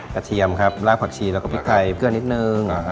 เทียมครับรากผักชีแล้วก็พริกไทยเพื่อนิดนึง